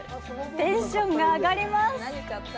テンションが上がります。